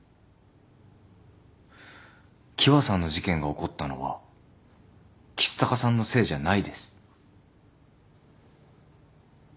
喜和さんの事件が起こったのは橘高さんのせいじゃないです。